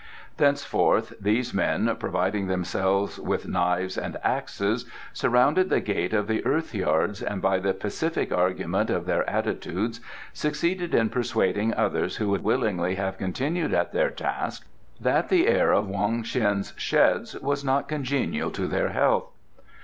Thenceforth these men, providing themselves with knives and axes, surrounded the gate of the earth yards and by the pacific argument of their attitudes succeeded in persuading others who would willingly have continued at their task that the air of Wong Ts'in's sheds was not congenial to their health.